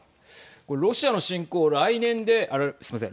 これロシアの侵攻来年ですいません。